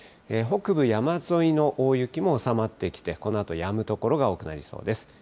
北部山沿いの大雪も収まってきて、このあとやむ所が多くなりそうです。